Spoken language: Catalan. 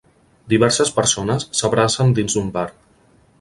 Diverses persones s'abracen dins d'un bar